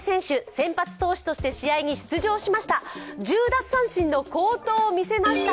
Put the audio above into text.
先発投手として試合に出場しました。